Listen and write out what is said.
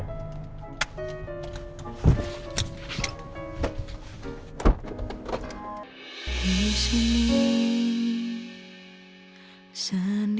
aku mau ke sekolah